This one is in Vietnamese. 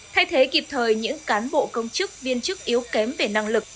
thay thế kịp thời những cán bộ công chức viên chức yếu kém về năng lực